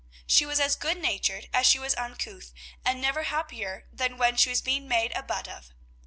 She was as good natured as she was uncouth, and never happier than when she was being made a butt of.